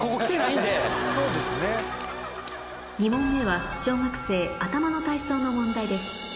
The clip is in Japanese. ２問目は小学生頭の体操の問題です